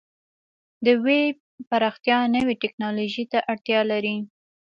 د ویب پراختیا نوې ټکنالوژۍ ته اړتیا لري.